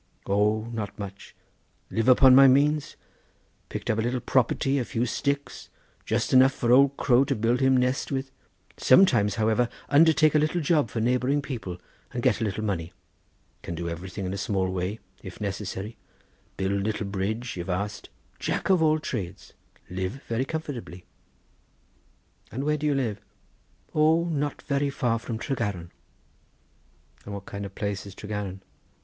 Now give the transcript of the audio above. "O, not much; live upon my means; picked up a little property, a few sticks, just enough for old crow to build him nest with—sometimes, however, undertake a little job for neighbouring people and get a little money. Can do everything in small way, if necessary; build little bridge, if asked;—Jack of all Trades—live very comfortably." "And where do you live?" "O, not very far from Tregaron." "And what kind of place is Tregaron?"